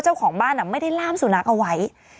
เจ้าของบ้านไม่ได้ล่ามสุนัขเอาไว้